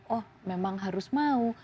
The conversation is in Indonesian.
oh memang harus mau